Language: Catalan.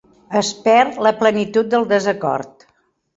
Es perd la plenitud del desacord.